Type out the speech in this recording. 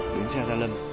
đến gia lâm